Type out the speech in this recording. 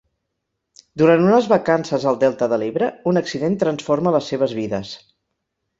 Durant unes vacances al Delta de l'Ebre, un accident transforma les seves vides.